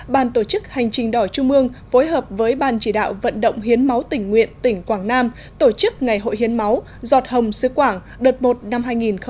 ban tổ chức hành trình đỏ trung mương phối hợp với ban chỉ đạo vận động hiến máu tỉnh nguyện tỉnh quảng nam tổ chức ngày hội hiến máu giọt hồng xứ quảng đợt một năm hai nghìn một mươi chín